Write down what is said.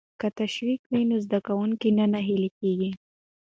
که تشویق وي نو زده کوونکی نه ناهیلی کیږي.